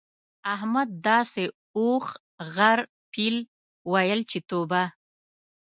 احمد داسې اوښ، غر، پيل؛ ويل چې توبه!